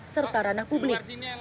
serta ranah publik